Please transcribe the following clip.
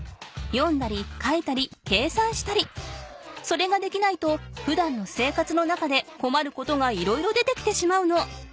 読んだり書いたり計算したりそれができないとふだんの生活の中でこまることが色々出てきてしまうの。